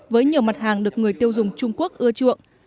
với nhiều mặt hàng được người tiêu dùng trung quốc ưa chuộng